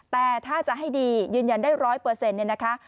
แต่ถ้าจะให้ดียืนยันได้๑๐๐เนี่ยนะคะ